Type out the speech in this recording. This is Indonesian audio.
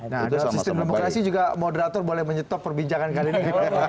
dalam sistem demokrasi juga moderator boleh menyetop perbincangan kandungan